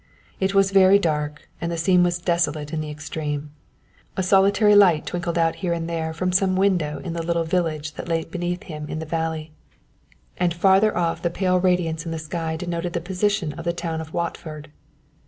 It was very dark and the scene was desolate in the extreme. A solitary light twinkled out here and there from some window in the little village that lay beneath him in the valley, and farther off the pale radiance in the sky denoted the position of the town of Watford.